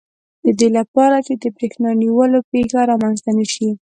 د دې لپاره چې د بریښنا نیولو پېښه رامنځته نه شي.